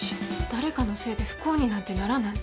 誰かのせいで不幸になんてならない。